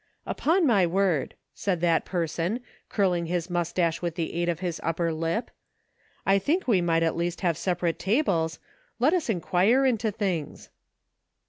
" Upon my word," said that person, curling his mustache with the aid of his upper lip, " I think we might at least have separate tables. Let's in quire into things."